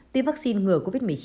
tiêm vaccine ngừa covid một mươi chín